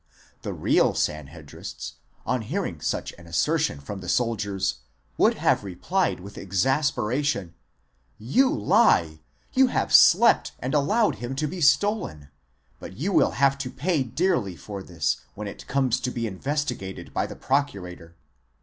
The real Sanhedrists, on hearing such an asser tion from the soldiers, would have replied with exasperation: You lie! you have slept and allowed him to be stolen; but you will have to pay dearly for this, when it.comes to be investigated by the procurator.